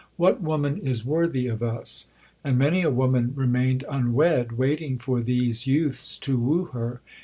What woman is worthy of us?" And many a woman remained unwed, waiting for these youths to woo her.